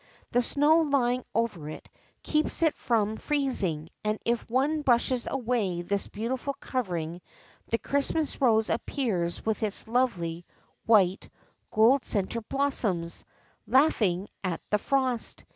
The snow lying over it, keeps it from freezing ; and if one brushes away this beautiful covering the Christmas Rose appears with its lovely, white, gold centred blossoms, laughing at the frost..